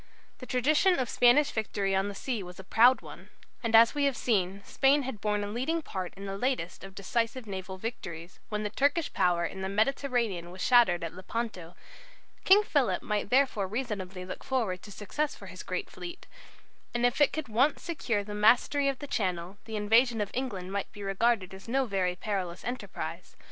The tradition of Spanish victory on the sea was a proud one, and as we have seen Spain had borne a leading part in the latest of decisive naval victories, when the Turkish power in the Mediterranean was shattered at Lepanto; King Philip might therefore reasonably look forward to success for his great fleet, and if it could once secure the mastery of the Channel, the invasion of England might be regarded as no very perilous enterprise.